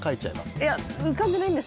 いや浮かんでないんです。